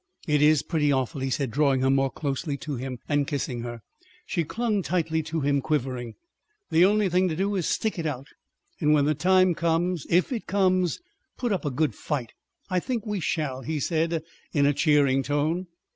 "It is pretty awful," he said, drawing her more closely to him and kissing her. She clung tightly to him, quivering. "The only thing to do is to stick it out, and when the time comes if it comes put up a good fight. I think we shall," he said in a cheering tone.